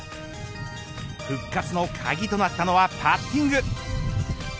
復活の鍵となったのはパッティング。